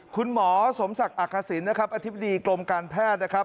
คุณหมอสมศักดิ์อักษิณนะครับอธิบดีกรมการแพทย์นะครับ